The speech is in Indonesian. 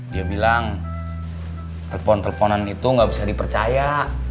dia bilang telepon teleponan itu gak bisa dipercaya